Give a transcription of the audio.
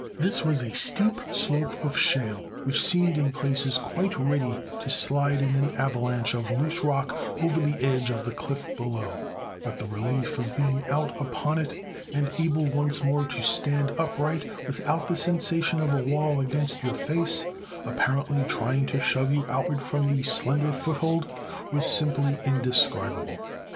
This was a steep slope of shale, which seemed in places quite ready to slide in an avalanche of loose rock over the edge of the cliff below; but the relief of being out upon it, and able once more to stand upright without the sensation of a wall against your face, apparently trying to shove you outward from your slender foothold, was simply indescribable.